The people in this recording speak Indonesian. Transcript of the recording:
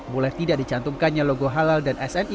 mulai tidak dicantumkannya logo halal dan sni